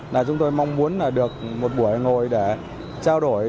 là chúng tôi mong muốn là được một buổi ngồi để trao đổi